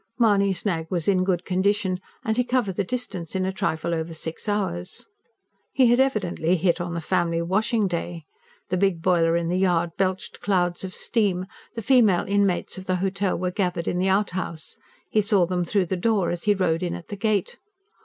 Mahony's nag was in good condition, and he covered the distance in a trifle over six hours. He had evidently hit on the family washing day. The big boiler in the yard belched clouds of steam; the female inmates of the Hotel were gathered in the out house: he saw them through the door as he rode in at the gate.